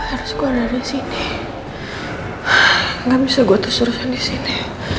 harus gua dari sini nggak bisa gue terus terusan di sini